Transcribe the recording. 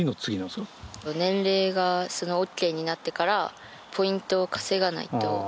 年齢がＯＫになってからポイントを稼がないと。